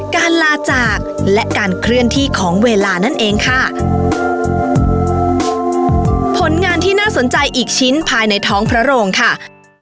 การลาจากและการเคลื่อนที่ของเวลานั่นเองค่ะผลงานที่น่าสนใจอีกชิ้นภายในท้องพระโรงค่ะ